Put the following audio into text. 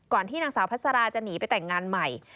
ที่นางสาวพัสราจะหนีไปแต่งงานใหม่